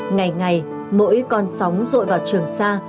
ngày ngày mỗi con sóng rội vào trường sa